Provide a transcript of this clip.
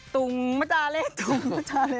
ตุงปะจาระตุงปะจาระ